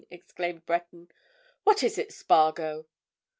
exclaimed Breton. "What is it, Spargo?"